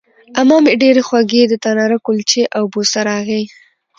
عمه مې ډېرې خوږې د تناره کلچې او بوسراغې